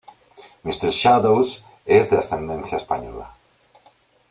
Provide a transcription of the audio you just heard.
M. Shadows es de ascendencia española.